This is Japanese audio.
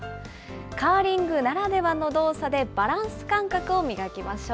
カーリングならではの動作でバランス感覚を磨きましょう。